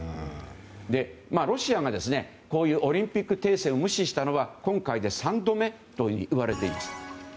ロシアがこういうオリンピック停戦を無視したのは今回で３度目と言われています。